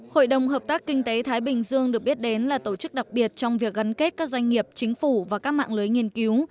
hội đồng hợp tác kinh tế thái bình dương được biết đến là tổ chức đặc biệt trong việc gắn kết các doanh nghiệp chính phủ và các mạng lưới nghiên cứu